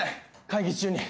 会議中に。